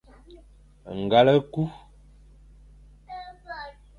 Ngal e ku.